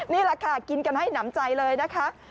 นี่แหละค่ะกินกันให้หนำใจเลยนะคะ